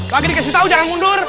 bapak bapak bapak